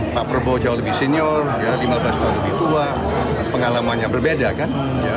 pak prabowo jauh lebih senior lima belas tahun lebih tua pengalamannya berbeda kan